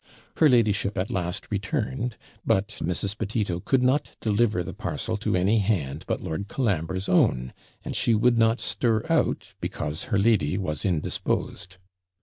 Her ladyship at last returned; but Mrs. Petito could not deliver the parcel to any hand but Lord Colambre's own, and she would not stir out, because her lady was indisposed.